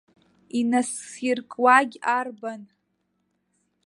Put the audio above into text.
Инасиркуагь арбан?